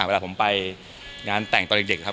เวลาผมไปงานแต่งตอนเด็กครับ